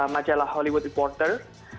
majalah hollywood reporter